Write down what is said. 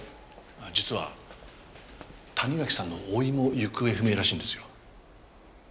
実は谷垣さんの甥も行方不明らしいんですよ。